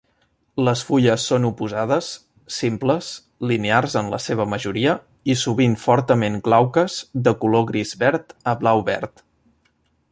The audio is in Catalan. Les fulles són oposades, simples, linears en la seva majoria i sovint fortament glauques de color gris verd a blau verd.